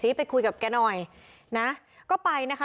ทั้งหมดนี้คือลูกศิษย์ของพ่อปู่เรศรีนะคะ